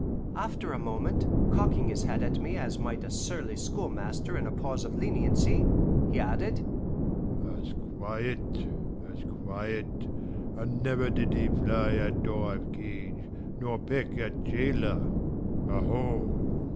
After a moment, cocking his head at me as might a surly schoolmaster in a pause of leniency, he added, "As quiet, as quiet, and never did he fly at door of cage, nor peck at jailer aho!"